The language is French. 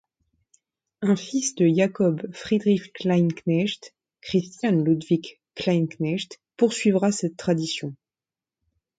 Un fils de Jakob Friedrich Kleinknecht, Christian Ludwig Kleinknecht, poursuivra cette tradition.